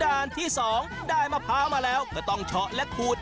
ด้านที่๒ได้มะพร้าวมาแล้วก็ต้องเฉาะและขูด